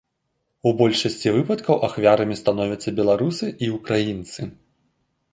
У большасці выпадкаў ахвярамі становяцца беларусы і ўкраінцы.